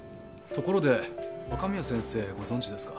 ところで若宮先生ご存じですか？